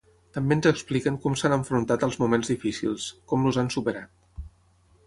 També ens expliquen com s’han enfrontat als moments difícils, com els han superat.